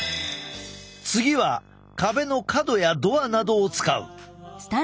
次は壁の角やドアなどを使う。